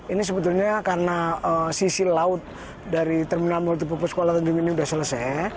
ini sebetulnya karena sisi laut dari terminal muntubur puskula tanjung ini sudah selesai